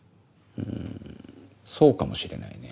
んそうかもしれないね。